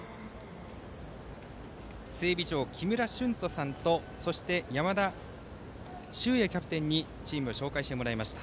整備長、木村春人さんとそして山田脩也キャプテンにチームを紹介してもらいました。